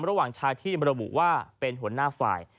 ระหว่างชายที่ระบุว่าเป็นหัวหน้าฝ่าย